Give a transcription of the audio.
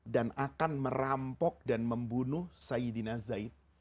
dan akan merampok dan membunuh sayyidina zaid